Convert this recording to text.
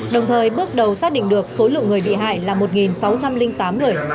đồng thời bước đầu xác định được số lượng người bị hại là một sáu trăm linh tám người